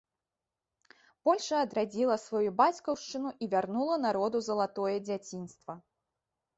Польшча адрадзіла сваю бацькаўшчыну і вярнула народу залатое дзяцінства.